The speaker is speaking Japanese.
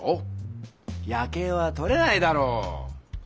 夜けいはとれないだろう！